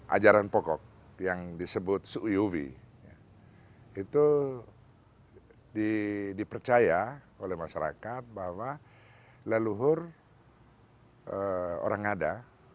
ajaran pokok yang disebut su'uyuwi itu dipercaya oleh masyarakat bahwa leluhur orang ngada